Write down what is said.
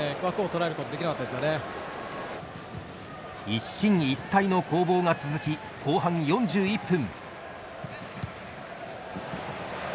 一進一退の攻防が続き後半４１分。